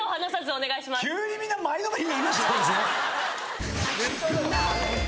急にみんな前のめりになりましたよ。